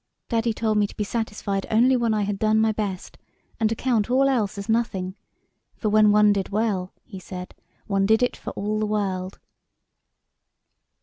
Daddy told me to be satisfied only when I had done my best, and to count all else as nothing, ' for when one did well,' he said, ' one did it for all the world.'"